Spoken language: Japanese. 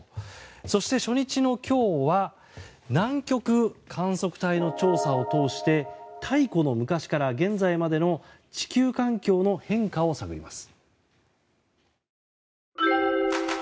そして、初日の今日は南極観測隊の調査を通して太古の昔から現在までの地球環境の変化を探ります。